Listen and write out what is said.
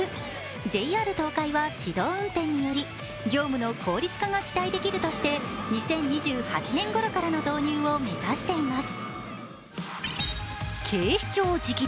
ＪＲ東海は自動運転により業務の効率化が期待できるとして２０２８年ごろからの導入を目指しています。